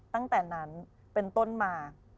ตั้งแต่นั้นเป็นต้นมา